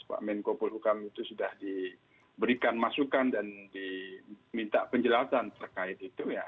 pak menko polhukam itu sudah diberikan masukan dan diminta penjelasan terkait itu ya